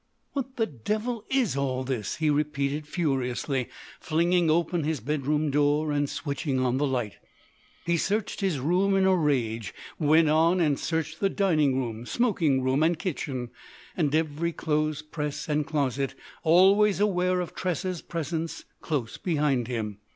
"What the devil is all this!" he repeated furiously, flinging open his bedroom door and switching on the light. He searched his room in a rage, went on and searched the dining room, smoking room, and kitchen, and every clothes press and closet, always aware of Tressa's presence close behind him.